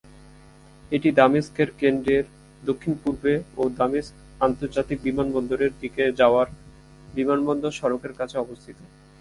এটি দামেস্কের কেন্দ্রের দক্ষিণ-পূর্বে ও দামেস্ক আন্তর্জাতিক বিমানবন্দরের দিকে যাওয়ার বিমানবন্দর সড়কের কাছে অবস্থিত।